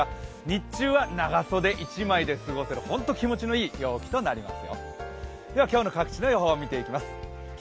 日中は長袖１枚で過ごせる本当、気持ちのいい陽気となりそうです。